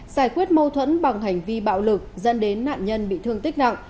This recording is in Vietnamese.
giải quyết mâu thuẫn bằng hành vi bạo lực dẫn đến nạn nhân bị thương tích nặng